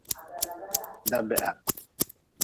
Dabeha.